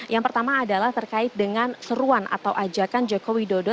yang pertama adalah terkait dengan seruan atau ajakan joko widodo